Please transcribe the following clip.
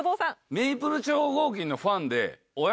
メイプル超合金のファンでおや？